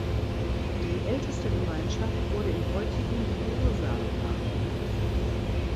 Die älteste Gemeinschaft wurde im heutigen Bursa nachgewiesen.